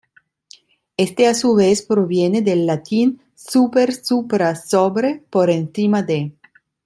Este a su vez proviene del latín "súper, supra:" ‘sobre, por encima de’.